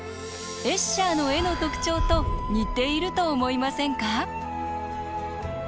エッシャーの絵の特徴と似ていると思いませんか？